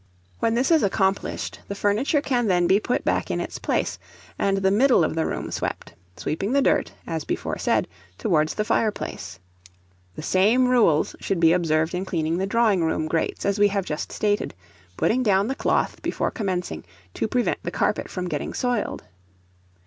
When this is accomplished, the furniture can then be put back in its place, and the middle of the room swept, sweeping the dirt, as before said, towards the fireplace. The same rules should be observed in cleaning the drawing room grates as we have just stated, putting down the cloth, before commencing, to prevent the carpet from getting soiled.